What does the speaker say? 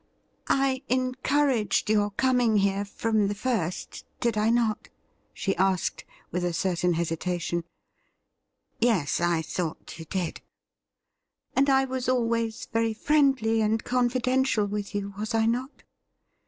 ' I encouraged your coming here from the first, did I not ?' she asked, with a certain hesitation. ' Yes, I thought you did.' ' And I was always very friendly and confidential with you, was I not ?'